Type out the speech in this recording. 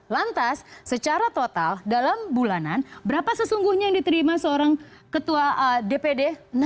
lantas secara total dalam bulanan berapa sesungguhnya yang diterima seorang ketua dpd